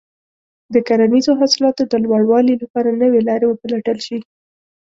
د کرنیزو حاصلاتو د لوړوالي لپاره نوې لارې وپلټل شي.